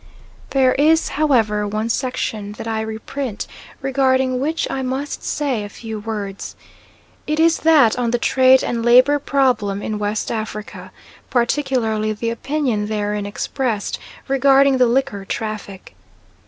There is, however, one section that I reprint, regarding which I must say a few words. It is that on the trade and labour problem in West Africa, particularly the opinion therein expressed regarding the liquor traffic.